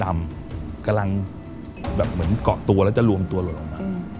กำลังเหมือนเกาะตัวแล้วจะลวมตัวลงมา